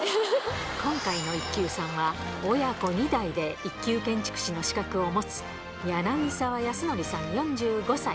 今回の１級さんは、親子２代で１級建築士の資格を持つ柳澤安徳さん４５歳。